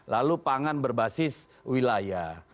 lalu pangan berbasis wilayah